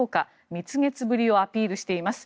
蜜月ぶりをアピールしています。